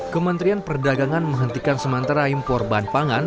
kementerian perdagangan menghentikan sementara impor bahan pangan